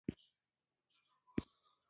د دواړو توکو په تولید یو ډول کار لګول شوی دی